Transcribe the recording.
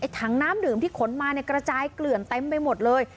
ถังน้ำดื่มที่ขนมากระจายเกลื่อนเต็มไปหมดเลย